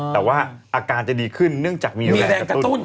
แต่ว่าอาการจะดีขึ้นเนื่องจากมีแรงกระตุ้น